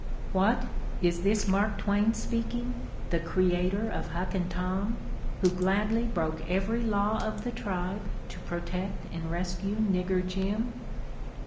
What, is this Mark Twain speaking, the creator of Huck and Tom, who gladly broke every law of the tribe to protect and rescue Nigger Jim?